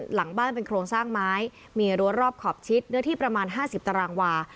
หลังบ้านเป็นโครงสร้างไม้มีรั้วรอบขอบชิดเนื้อที่ประมาณ๕๐ตารางวา